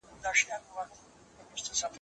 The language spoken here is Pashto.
په دعا او په تسلیم يې کړ لاس پورته